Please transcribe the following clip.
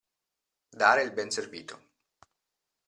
Dare il benservito.